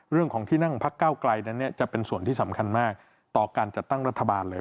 เรื่องของที่นั่งพักเก้าไกลนั้นจะเป็นส่วนที่สำคัญมากต่อการจัดตั้งรัฐบาลเลย